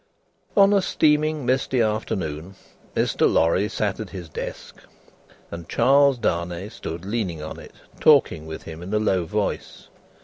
On a steaming, misty afternoon, Mr. Lorry sat at his desk, and Charles Darnay stood leaning on it, talking with him in a low voice.